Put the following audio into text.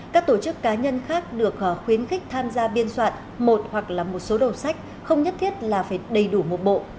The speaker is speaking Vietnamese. các tổ chức cá nhân khác được khuyến khích tham gia biên soạn một hoặc là một số đầu sách không nhất thiết là phải đầy đủ một bộ